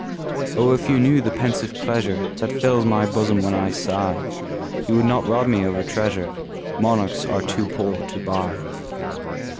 Oh, if you knew the pensive pleasure That fills my bosom when I sigh, You would not rob me of a treasure Monarchs are too poor to buy.